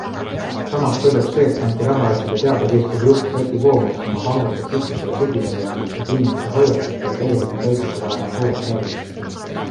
Samas tõdeb Swedbanki Rahaasjade Teabekeskuse juht Kati Voomets oma panga statistikale tuginedes, et inimeste hoiakute ja tegeliku käitumise vahel on suured käärid.